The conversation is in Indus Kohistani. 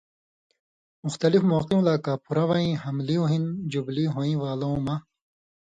مختلف موقِیُؤں لا کاپھرہ وَیں حملِیُوں ہن ژُبلی ہویں والَؤں مہ